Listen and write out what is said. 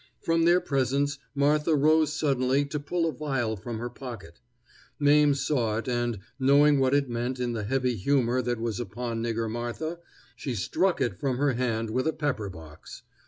From their presence Martha rose suddenly to pull a vial from her pocket. Mame saw it, and, knowing what it meant in the heavy humor that was upon Nigger Martha, she struck it from her hand with a pepper box.